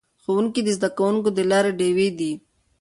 ښوونکي د زده کوونکو د لارې ډیوې دي.